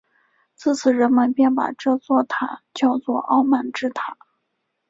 自此人们便把这座塔叫作傲慢之塔。